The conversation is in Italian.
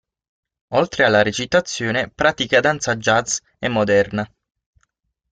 Oltre alla recitazione, pratica danza jazz e moderna.